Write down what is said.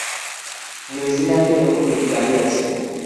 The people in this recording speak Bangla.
নিউজিল্যান্ডে এরকম দুটো গাড়ি আছে।